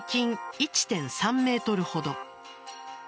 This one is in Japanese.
１．３ｍほど。